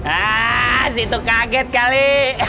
ah si itu kaget kali